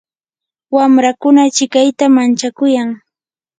wamrakuna achikayta manchakuyan.